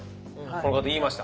この方言いました。